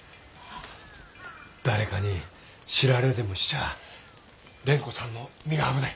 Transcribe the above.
誰かに知られでもしちゃあ蓮子さんの身が危ない。